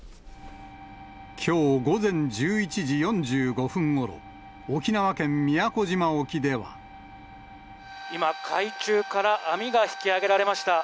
きょう午前１１時４５分ごろ、今、海中から網が引き揚げられました。